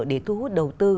để thu hút đầu tư